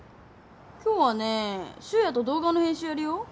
今日はね修哉と動画の編集やるよ